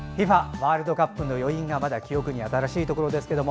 ワールドカップの余韻がまだ記憶に新しいところですけど